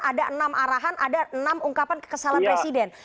ada enam arahan ada enam ungkapan kekesalan presiden